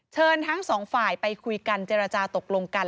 ทั้งสองฝ่ายไปคุยกันเจรจาตกลงกัน